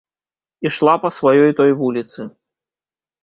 Ішла па сваёй той вуліцы.